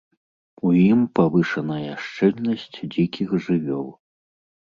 У ім павышаная шчыльнасць дзікіх жывёл.